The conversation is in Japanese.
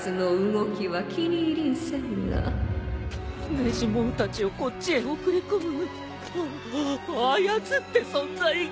デジモンたちをこっちへ送り込むああやつって存在が！？